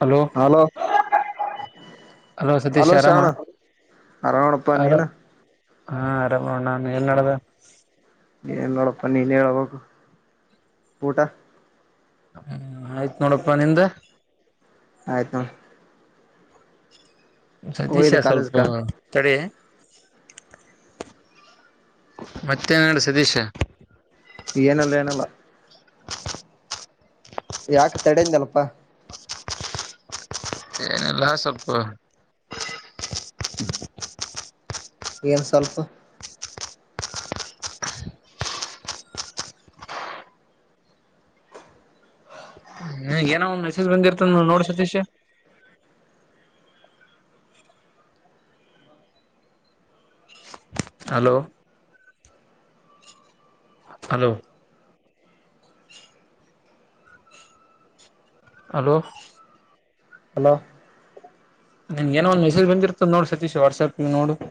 Hello hello Satish ಅರಾಮ ಆರಾಮ್ ನೋಡಪ್ಪಾ ಹಲೋ ನೀನು ಹಾ ಆರಾಮ್ ನೋಡ ನಾನು ಏನ ನಡದದ್ ಏನ್ನಿಲ್ಲ ನೋಡಪ್ಪ ನೀನೆ ಹೇಳ್ಬಕು ಊಟ ಹ್ಮ್ ಆಯ್ತ್ ನೋಡಪ್ಪಾ ನಿಂದ ಆಯ್ತ ನೋಡ ಸತೀಶ ಸ್ವಲ್ಪ ಕಾಲೇಜ್ಕ ತಡಿ ಮತ್ತೇನ ನಡದದ್ ಸತೀಶ ಏನಿಲ್ಲ ಏನಿಲ್ಲ ಯಾಕ ತಡೆಯಿಂದಲ್ಲಪ್ಪಾ ಏನಿಲ್ಲ ಸ್ವಲ್ಪ ಏನ್ ಸ್ವಲ್ಪ ಹ್ಮ್ ಏನೋ ಒಂದ್ ಮೆಸೇಜ್ ಬಂದಿರ್ತದ ನೋಡ Satish hello hello hello hello ನಿಂಗ ಏನೋ ಒಂದು ಮೆಸೇಜ್ ಬಂದಿರುತ್ತ ನೋಡು ಸತೀಶ್ ವಾಟ್ಸಾಪ್ ನೋಡು -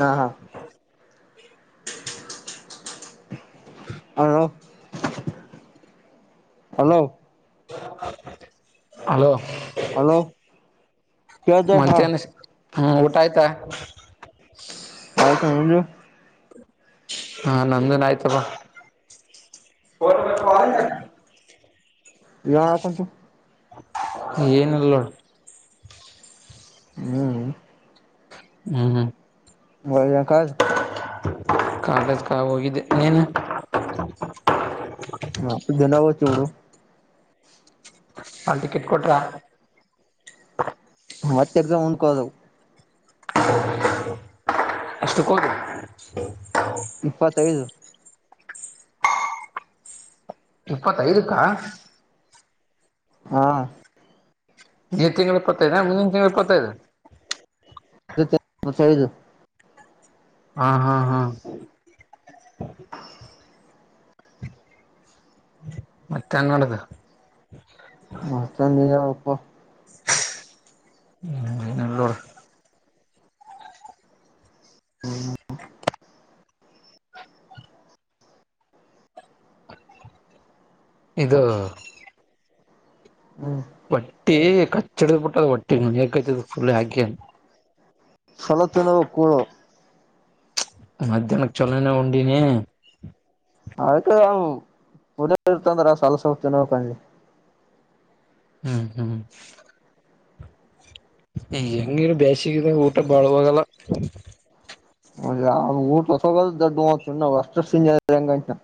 ಹಾ ಹಾ [inaudible] ಹಲೋ ಹಲೋ. ಹಲೋ. ಕೇಳ್ತ ಹಾ ಮತ್ತೇನ ಹ್ಮ್ ಊಟ ಆಯ್ತಾ? ಆಯಿತು ನಿಂದು ಹಾ ನಂದುನು ಆಯ್ತಪ್ಪ. ಏನ್ ಮಾಡಾಕುಂತಿ - ಏನಲ್ಲ ನೋಡ. ಹ್ಮ್. ಹ್ಮ್ ಹ್ಮ್. ಬೈದಿ ಯಾಕ? ಕಾಲೇಜ್ಕ್ಕ ಹೋಗಿದ್ದೆ ನೀನ ನಾ [unintelligible] ದಿಂಡಾ ಹೋಗ್ತೀವಿ ಬಿಡು. ಹಾಲ್ ಟಿಕೆಟ್ ಕೊಟ್ರಾ? ಮತ್ತ ಎಕ್ಸಮ್ ಮುಂದಕೋದವು. ಏಷ್ಟುಕ್ಕೊಗಿ - ಇಪ್ಪತ್ತೈದು. ಇಪ್ಪತ್ತೈದುಕ್ಕ ಹಾ ಇ ತಿಂಗಳು ಇಪ್ಪತ್ತೈದ ಮುಂದಿನ ತಿಂಗಳು ಇಪ್ಪತ್ತೈದು ಇದೇ ತಿಂಗಳ ಇಪತ್ತೈದು. ಹ ಹ ಹ ಮತ್ತೆಂಗ ನಡ್ದ - ಮತ್ತೇ ಏನ್ ನೀನ್ ಹೇಳಪ್ಪ. ಏನಿಲ್ಲ ನೋಡ. ಇದು. ಹ್ಮ್ ಹೊಟ್ಟಿ ಕಚ್ಚಿ ಹಿಡದ ಬಿಟ್ಟದ ಹೊಟ್ಟಿ ಹೊಲಿಯಕ್ಕ್ದ ಫುಲ್ ಹಾಕಿ ಸಣ್ಣದ ತಿನ್ನಬೇಕು ಕೂಳು ಮಧ್ಯಾಹ್ನಕ್ ಚಲೋನೆ ಉಂಡಿನಿ. ಆಯ್ತ್ [unintelligible] ಉಳಿಯಂಗ ಇರ್ತಂದ್ರ ಸ್ವಲ್ ಸ್ವಲ್ಪ ತಿನ್ನಬೇಕ ಹಂಗೆ ಹ್ಮ ಹ್ಮ್. ನೀ ಹೆಂಗಿರು ಬೇಸಗಿದಾಗ ಊಟ ಬಾಳಆಗಲ್ವ. ಊಟ ಹೊಸ ದೊಡ್ಡು [unintelligible]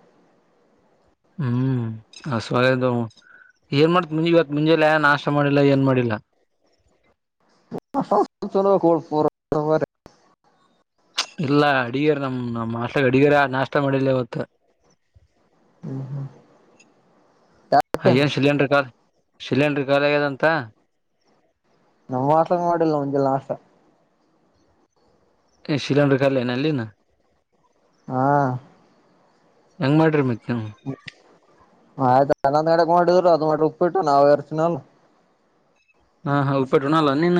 ಹ್ಮ್ ಹಸುಆಗೇದೋ ಏನ್ ಮಾಡ್ತಿ ಮುಂಜಾಲೆ ಇವತ್ತ್ ಮುಂಜಾಲೆ ನಾಷ್ಟ್ ಮಾಡಿಲ್ಲ ಏನ್ ಮಾಡಿಲ್ಲ. [inaudible] ಇಲ್ಲ ಅಡಿಗರ್ ನಮ್ ನಮ್ಮ ಹಾಷ್ಟ್ಲಗೆ ಅಡಿಗರ್ ನಾಷ್ಟ ಮಾಡಿಲ್ಲ ಇವತ್ತ. ಹ್ಮ್ [unintelligible] ಸಿಲಿಂಡ್ರು ಖಾ ಸಿಲಿಂಡ್ರು ಖಾಲಿ ಆಗ್ಯದಂತ. ನಮ್ಮ್ ಹಾಸ್ಟ್ಲೆ ಮಾಡಿಲ್ಲ ಮುಂಜಾಲೆ ನಾಸ್ಟ. ಯಾಕೆ ಸಿಲಿಂಡರ್ ಖಾಲಿನು ಅಲ್ಲಿನು. ಹಾ ಹೆಂಗ್ ಮಾಡೀರ ಮತ್ತೆ ಆಯ್ [inaudible] ಅ ನಡಕ್ ಮಾಡಿದ್ರು ಅದ್ ಮಾಡಿ ಉಪ್ಪಿಟ್ಟು ನಾವ್ ಯಾರು ತಿನ್ನಲ್ಲ. ಹಾ ಹ ಉಪ್ಪಿಟ್ ಉಣ್ಣಲ್ಲೇನು ನೀನ.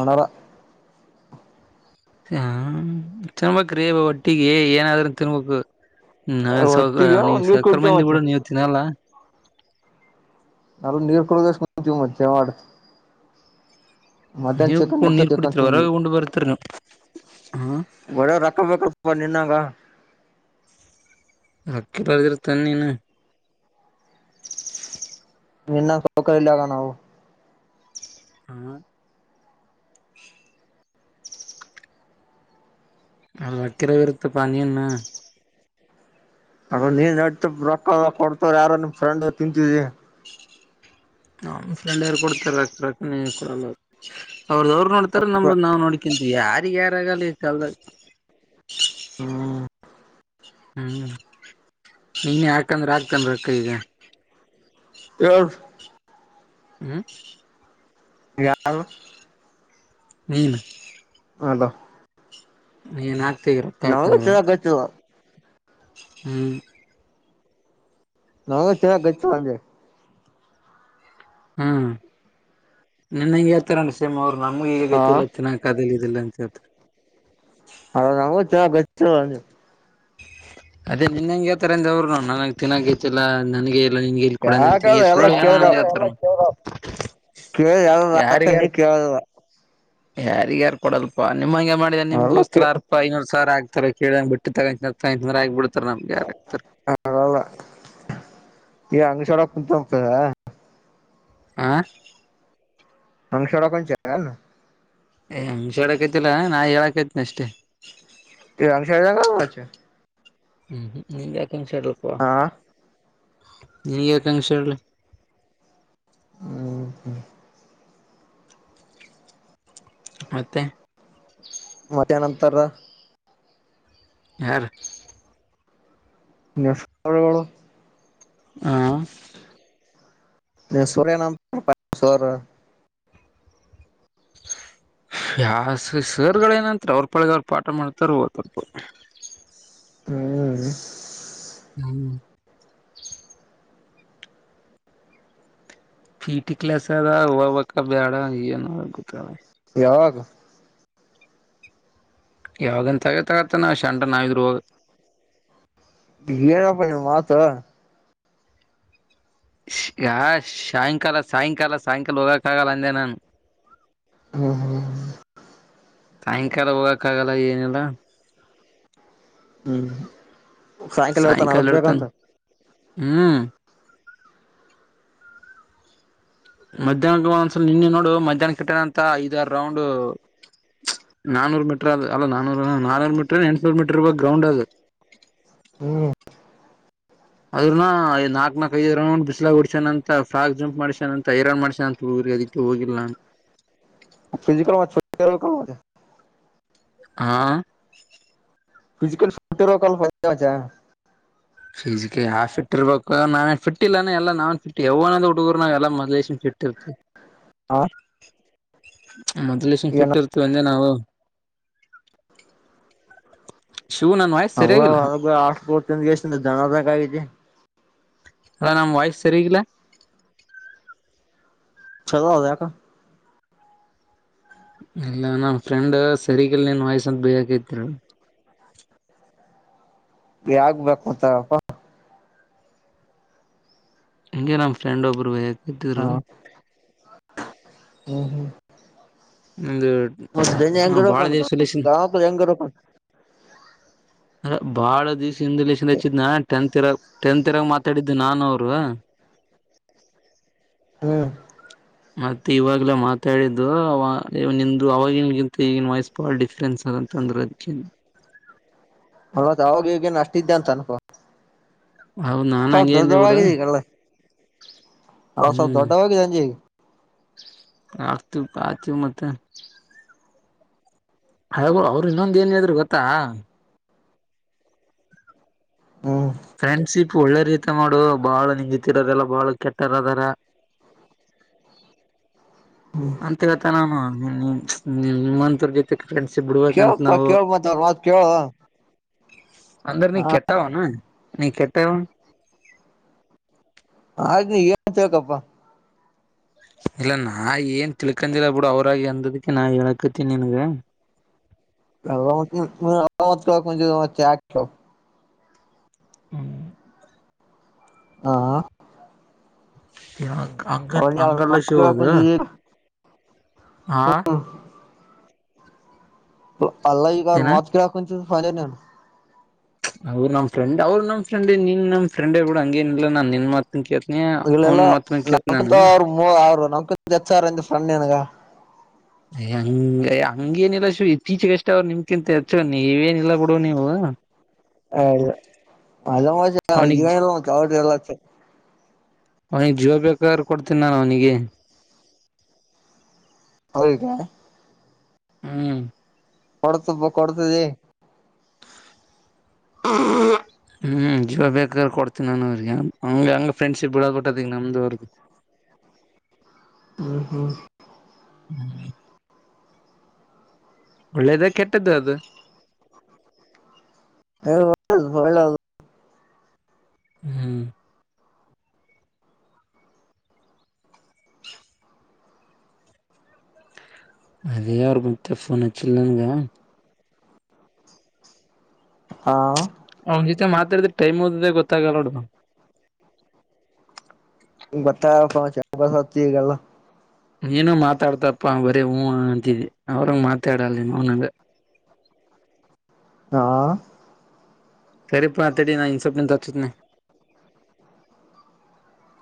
ಉನ್ನಲ್ಲ. ಹ್ನಾ ತಿನ್ಬೇಕ್ರೀ ಹೊಟ್ಟಿಗೆ ಏನಾದ್ರು ತಿನ್ಬೇಕು. ನಾವು ಸೌ ಒಟ್ಟಿಗೆ ನೀವು ನೀರ್ ಸೌಕರ್ ಕುಡಿತೇವ ಮಂದಿ ಮಚ್ಚಿ ಬಿಡು ನೀವ್ ತಿನ್ನಲ್ಲ ಮರದ್ ನೀರ್ ಕುಡ್ದಷ್ಟು [inaudible] ಮಜೆ ಮಾಡ್ ಮಟನ್ ನೀವ್ ಚಿಖನ್ ಕುೂಡ್ ನೀರ್ ಚಿಕನ್ ಕುಡಿತರಿ ತಿಂದ್ವಿ ಹೊರಗೆ ಉಂಡ್ ಬರ್ತೀರಿ ನೀವು ಹ ಬಹ್ಳ ರೊಕ್ಕ ಬೇಕಪ್ಪ ನಿನ್ನಂಗ ಹಕ್ಕಿಲಾರ್ದಿರ್ ತನ್ ನೀನು ನಿನ್ನ [inaudible] ಸೋಕ ಇಲ್ಲ ನಾವು ಹ್ಮು ಅವ್ನ್ನಿತ್ತಿರ ವಿರುತ್ತಪ ನೆನ್ನು ಅಮೇಲ್ ನೀನ್ ನಡ್ತೊಕ್ಕ [inaudible] ಕೊಡ್ತ ಯಾರೋ ನಿಮ್ ಫ್ರೆಂಡ್ ತಿಂತಿದಿ ಹ ಫ್ರೆಂಡ್ ಯಾರ ಕೊಡ್ತಾರೆ ಅಷ್ಟ್ ರೊಕ್ಕ ನಿ ಕೊಡಲ್ಲಅವ್ರು ಅವ್ರುದ್ದವ್ರು ನೋಡ್ತರೆ ನಾಮ್ದುನ್ ನಾವ್ ನೋಡ್ಕ ಯಾರಿಗೆಯಾರಾಗಲ್ಲ ಈ ಕಾಲದಲ್ಲಿ ಹ [inaudible] ಹ್ಮು ನೀನೇ ಹಾಕಂದ್ರೆ ಹಾಕ್ತಿಏನ್ ರೊಕ್ಕ ಈಗ ಯರು [inaudible] ಹ್ಮ ಎರಳ ಹ್ಮನು ಹಲ ಏನ ಆಗ್ತಗ ರೊಕ್ಕ ಯಾಕಂದ್ರೆ ಗೊತ್ತಿಲ್ಲ ಹ್ಮ ನಾ ಚೆನ್ನಾಗ ಗಚ್ಂದೆ ಹ್ಮ್ ನಿನ್ನಂಗಗೆ ಹೇಳ್ತಾರ ಸೇಮ್ ಅವ್ರು ನಮಗೂ ಈಗ ಹಾ ಗತ್ತಲ್ಲ ಚನ್ನಾಕ ಜಿಲ್ಲಂಚತ್ ಹ ನಾಮ ಚ ಗ ಅದೇ ನಿನ್ನಂಗಗೆ ಹೇಳ್ತಾರಂದ ಅವರುನು ನನಗೆ ತಿಿನಕತಿಲ್ಲ ನನಗೆ ನ್ಗೆ ಇಕಡ ಹೇಳ್ತ ಯಾಕಂದ್ರೆ ಎಲ್ಲ ಸಳ್ಳತಾರ ಕೇಳ್ದ ಯ ಅತ ನೀ ಕೇಳುವ ಯಾರಿಗ ಯಾರು ಕೊಡಲ್ಪ ನಿಮ್ ಹಂಗೆ ಮಾಡಿದ ನಿಮ್ ಅವೆಲ್ಲ ದೋಸ್ತರ ಕೇ ಯಾರ್ಪ್ಪಾ ಐನೂರ್ ಸಾವಿರ ಆಗ್ತ ತರ ಕೇಳ ಬಿಟ್ಟು ತಗ ಆಗ್ಬ ಬಿ ನಾಮ ಕಾರತ ಅಲ್ಲ ತ ಹ ಅಂ ಸರಕ ಚ ಏ ಹಂಗಷ ಹೇಳಕತಿಲ್ಲ ನಾ ಹೇಳಕ್ೈತನಿ ಅಷ್ಟೇ ಅ ಹ್ಮ್ ನಿಿಂದಾಕೆಷೆಳಪ ಹಾ ನನಗೆ ಕಂಕ್ಷಳ್ಳ ಹ ಮತ್ತೆ ಮತ್ತ ನಂತರ ಯ ನಿಳಳ ಹ ನೀ ಸೋರ್ ಏನಂತ ಸರ್ [unintelligible] ಹ್ಯಾಸ ಸರ್ಗಳ ನಂ ಅವ್ರ ಪಳಗೆ ಅವ್ರು ಪಾಠ ಮಾಡ್ತಾರ ಲ್ಪ ಹ್ಮ್ ಹ್ಮ್ ಪೀ ಟಿ ಕ್ಲಸ್ ಅದ ಹವಕ್ಕ ಬ್ಯಾಡ ಏನು ಗೊತ್ತ ಯಾಗ ಯಾವಾಗಂತ ಆಗತಗತ್ತ ನಾ ಶಂಡ ನಾವಿದ್ರುವಾಗ. ನಪ್ಪ ಮಾತ. ಯಾ ಸಾಯಂಕಾಲ ಸಾಯಂಕಾಲ ಸಾಯಂಕಾಲ ಹೋಗಕ್ಕ ಆಗಲ್ಲ ಅಂದೆ ನಾನು. ಹ್ಮ್ ಹ್ಮ ಹ್ಮ. ಸಾಯಂಕಾಲ ಹೋಗಕ್ಕ ಆಗಲ್ಲ ಏನಿಲ್ಲ. ಹ್ಮ್ ಸಾಯಂಕಾಲ ಇೇರ್ತಾನ ಅರದ ಬೇಗಂತ. ಹ್ಮ್ ಮಧ್ಯಾಹ್ನ ಒೊಂದ್ಸ ನಿನ್ನೆ ನೋಡು ಮಧ್ಯಾಹ್ನ ಕೆಟ್ಟಣಂತ ಐದಾರ ರೌಂಡ್. ನಾನೂರು ಮೀಟರ್ ಅದ ಅಲ್ಲ ನಾನೂರು ನಾನೂರು ಮೀಟ್ರ ಎಂಟಟ್ನೂರು ಮೀಟರ್ ಗ್ರೌಂಡ್ ಅದು. ಹ್ಮ್. ಅದ್ರನಐ ನಾಕ್ ನಾಕ್ ಐ ರಂಡ್ ಬಿಸಲ ಹೊಡಸ್ಯನ ಅಂತ ಫ್ರಾಕ್ ಜಂಪ್ ಮಾಡಸ್ಯನ ಅಂತ ಐ ರನ್ ಮಾಡಸನ ಅ. ಅದಕ್ಕೆ ಹೋಗಿಲ್ಲಾ. ಿಕ. ಹಾ. ಫಿಜಿಕಲ್ ಫಿಟ್ ಇರುವ ಕಲ್ಪಾ. ಫಜಿಕಲ್ ಯಟ್ ಇರ್ಬೇಕು ನಾವೇ ಟ್ ಇನ ಎಲ್ಲ ನಾವನ್ ಫಟ್ ಯಾವನ್ ಹುಡುಗರು ನಾವ ಎಲ್ಲ ಮದ್ಶನ್. ಬಿಟ್ಟತ್ತು. ಹಾ. ಮೊದ್ಲೇಶಷನ್ ಫಿಟ್ ಇರ್ತೀವಂದೆ ನಾವು. ಶಿವು ನನ್ ವಾಯ್ಸ್ ಅಲ್ಲ ಸರಿಯಾಗಿಲ್ಲ ಹೊಗ ಆಷ್ಟಡ್ತ ಎಷ್ಟ ದನದಕ ಆಗತಿ. ಅ ನಮ್ಮ ವಯಸ್ಸ ಸರಲ. ಚಲೋ ಅದ ಯಾಕ. ಇಲ್ಲ ನಮ್ಮ್ ಫ್ರೆಂಡ್ ಸರಿಗಲ್ ನೀನ್ ವಯ್ಸಂತ ಬೇಯಕತಿರು. ಯಗ್ಬೇಕು ಮಂತಪ್ಪಾ. ಹಂಗೆ ನ್ ಫ್ರೆಂಡ್ ಒಬ್ಬರು. ಹಾ ಹ್ಮ ಹ್ಮ್. ಒಂದು ಮ ಬೆ ಹ ಹೆಂಗರಕ ಬಾಳ ದಿವ್ಸಲೇಶನ್ ಗಾಾವ ಹೆಂಗರಕ. ಬಾಳ ದಿವ್ಸ ಹಿಂದ ಲಚ್ಚಿದ್ ನ ಟೆಂತ್. ರ ಟೆನ್ ತಿರಾಗ ಮಾತಾಡಿದ್ದು ನಾನು ಅವರು. ಹ್ಮ್. ಮತ್ತೆ ಇವಾಗಲ್ಲ ಮಾತಾಡಿದ್ದು ನಿ ಅವವಾಗಿನ್ ಗಿಂತ ಈಗಿನ ವಾಯ್ಸ್ ಬಾಳ ಡಿಫ್ರೆನ್ಸ್ ಅ. ತೊಂದ್ರಕ್ಷ. ಹತ್ ಅವಾಗ ಈಗೇನ್ ಅಷ್ಟ ಇದ್ದೆ ಅಂತ ಅನ್ಕೋ. ಹೌದ ನಾ ಸ್ವಲ್ಪ ಹಂಗಂದ ಡ. ಹಾ ಸ ದೊಡ್ಡವಗ ಈಗ. ಆಗ್ತು ಕತು ಮತ್ತ. ಹೋ ಅವ್ರು ಇನ್ನೊಂದ ಏನ್ ಗೊತ್ತಾ. ಹ್ಮ್ ಫ್ರೆಂಡ್ಶಿಪ್ ಒಳ್ಳೆ ರೀತ ಮಾಡೋ ಬಹಳ ನಿತಿರೋದೆಲ್ಲ ಬಾಳ ಕೆಟ್ಟರದಾರ. ಹ್ಮ್. ಅಂತ ಗತ ನಾನು ನಿಂತೂರ್ ಜೊತೆ. ಫ್ರೆಂಡ್ಶಿಪ್ ಬಿಡ್ಬೇಕಂತ ಕೇಳಪ್ಪ ನಾವು ಕೇಳ ಮತ್ ಅವ್ರ ಮಾತ್ ಕೇಳ ಅಂದರ್ ನೀ ಕೆತಾವ ನ ನೀ ಕೆತ ಹ. ಹಾಗ ನೀ ಏನ್ಂತಪ್ಪಾ. ಇಲ್ಲ ನಾ ಏನ್ ತಿಳ್ಕಂದಿಲ್ಲ ಬಿಡು ಅವ್ರಾಗಿ ಅಂದದಕ್ಕೆ ನಾ ಹೇಳಕತೀನಿ ನನ್ಗ. [unintelligible] ರಮತ್ ಕಕ್ ಚೆ ಆ ಚ [unintelligible] ಹ್ಮ್. ಹಾ. ಅಂಗ ಅಂಗಲ್ಲ ಮಾತ್ ಶಿವ ಕೇಳಕ್ ಅದ. ಮುಂಜ ಹಾ. ಅಲ್ಲಾ ಈ ಕಾರ ಏನ ಮತ್ ಕ ರಫದನು. ಅವ್ ನಮ್ಮ ಫ್ರೆಂಡ್ರು ನಮ ಫ್ರೆಂಡ್ ನಿನ್ ನಮ ಫ್ರೆಂಡ್ ಬಿಡ ಹಂಗೇನಿಲ್ಲ ನಾನ್ ನಿನ್ತ್ [unintelligible] ಇಲ್ಲಾ ನಕಂತ ಅವ ಅವರು ನಕ ಹೆಂತ ಫ್ರೆಂಡ್ ಏನಗ [unintelligible] ಯ ಹಂಗ ಹಂಗೇನಿಲ್ಲ ಇತ್ತೀಚೆಗೆಗಷ್ಟ ಅವ್ರು ನಿಮ್ಕಿಂತ ಹೆಚ್ಚ ನೀವೇನಿಲ್ಲ ಬಿಡುವ ನೀವು [unintelligible] ಹ ಅವನ ಅವ್ನಿಗ್ ಎಲ್ಲ ಚ ಎಲ್ಲಾ [unintelligible] ಅವನಿಗೆ ಜೀವಾ ಬೇಕಾರು ಕೊಡ್ತೀನಿ ನಾನು ಅವನಿಗೆ [unintelligible] ಹೌಗ [unintelligible] ಹ್ಮ್ [unintelligible] ಕೊಡತ ಕೊಡ್ತದ [unintelligible] ಹ್ಮ [unintelligible] ಹ್ಮ್ ಜೀವ ಬೇಕಾದ್ರೆ ಕೊಡ್ತೀ ನಾನನ್ ಅವ್ರಿಗೆ ಹಂಗ ಹಂಗ ಫ್ರೆಂಡ್ಶಿಪ್ ಬಿಡದ್ ಬಿಟ್ಟ ಅದ ಈ ನಮ್ದು ಅವ್ರಿಗೆ [unintelligible] [inaudible] ಹಾ ಹಾ [unintelligible] ಹ್ಮ್ [unintelligible] ಒಳ್ಳೆೇದ ಕೆಟ್ಟ್ದ ಅದು [unintelligible] ಹ ಒಳ್ಳೆದು [unintelligible] ಹ್ಮ್ [unintelligible] ಅದೇ ಅವ್ರ ಮತ್ತೆ ಫೋನ್ ಹಚ್ಚಿಲ್ಲನಂಗ [unintelligible] ಹಾ [unintelligible] ಅವನ ಜೊತೆ ಮಾತಾಡಿದ್ರೆ ಟೈಮ್ ಹೋಗಿದ್ದೆ ಗೊತ್ತಾಗಲ್ಲೋಡ [unintelligible] ಬತ್ತ ಪಚ ಬ ಹೊತ್ತಿಗಲ್ಲ [unintelligible] ನೀನು ಮಾತಾಡ್ತಪ್ಪ ಬರೀ ಹೂಹಾ ಅಂತಿದಿ ಅವ್ರಂಗ ಮಾತಾಡಲ್ಲ ನೀನು ಅವನಂಗ [unintelligible] [inaudible] ಹಾ [unintelligible] ಸರಿಪಾ ತಡಿಇನ ಇನ್ನ ಸ್ವಲ್ಪ ದಿಂದ ಹಚ್ತೀನಿ [unintelligible]